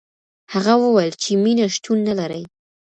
هغه وویل چي مینه شتون نه لري.